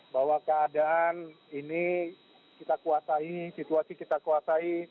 bahwa keadaan ini kita kuasai situasi kita kuasai